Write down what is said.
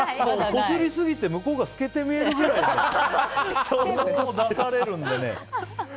こすりすぎて向こうが透けて見えるくらい出されるのでね。